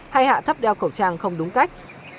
hay hạ thấp đeo khẩu trang không đúng cách